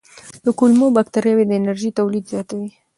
د کولمو بکتریاوې د انرژۍ تولید زیاتوي.